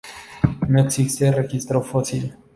No existe registro fósil.